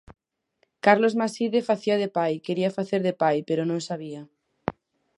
Carlos Maside facía de pai, quería facer de pai, pero non sabía.